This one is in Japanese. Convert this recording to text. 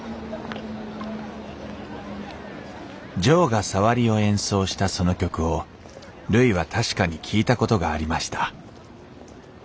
ジョーがさわりを演奏したその曲をるいは確かに聴いたことがありました。